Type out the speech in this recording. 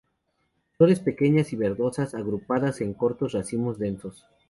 Flores pequeñas y verdosas, agrupadas en cortos racimos densos.